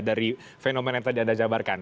dari fenomena yang tadi anda jabarkan